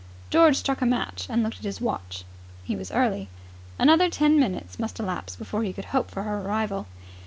George struck a match and looked at his watch. He was early. Another ten minutes must elapse before he could hope for her arrival.